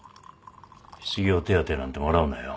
失業手当なんてもらうなよ。